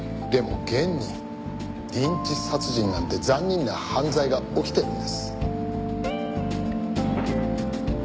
でも現にリンチ殺人なんて残忍な犯罪が起きてるんです。